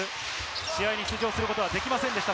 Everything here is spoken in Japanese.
試合に出場することはできませんでした。